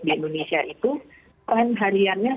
di indonesia itu perhariannya